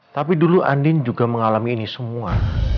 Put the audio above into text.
tapi dulu andin juga mengalami ini semua